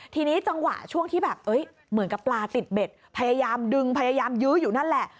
ทีนี้จังหวะช่วงที่แบบเหมือนกับปลาติดเบ็ดพยายามดึงพยายามยื้ออยู่นั่นแหละ